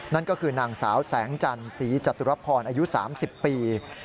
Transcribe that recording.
นั่นก็คือนางสาวแสงจันทร์ศรีจตุรพรอายุ๓๐ปี